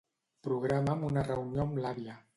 Programa'm una reunió amb l'àvia.